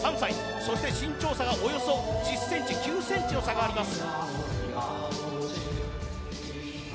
そして身長差がおよそ９ｃｍの差があります。